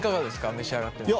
召し上がってみて。